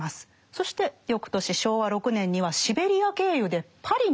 そして翌年昭和６年にはシベリア経由でパリに行ってるんですよね。